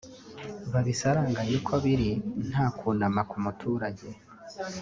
babisaranganye uko biri nta kunama ku muturage